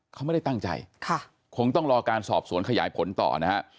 เขาไม่ได้ตั้งใจคงต้องรอการสอบสวนขยายผลต่อนะฮะ